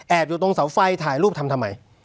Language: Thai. อยู่ตรงเสาไฟถ่ายรูปทำทำไม